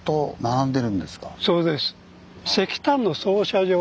そうです。